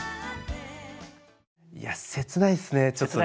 いや切ないっすねちょっとね。